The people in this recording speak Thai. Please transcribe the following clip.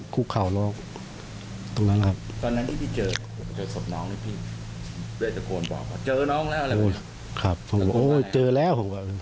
ตะไยยังจะข้างบนมาก็คู่เข้าล้อ